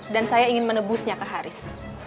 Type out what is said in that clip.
dan saya ingin menebusnya ke haris